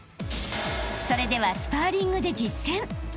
［それではスパーリングで実践］